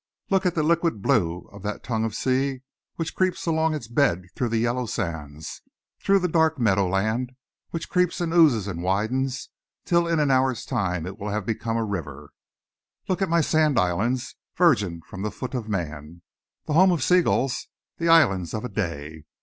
Look at the liquid blue of that tongue of sea which creeps along its bed through the yellow sands, through the dark meadowland, which creeps and oozes and widens till in an hour's time it will have become a river. Look at my sand islands, virgin from the foot of man, the home of sea gulls, the islands of a day.